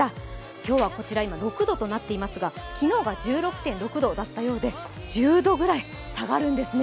今日は今６度となっていますが昨日が１６．６度だったようで１０度ぐらい下がるんですね。